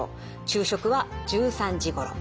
昼食は１３時ごろ。